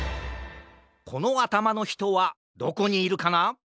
このあたまのひとはどこにいるかな？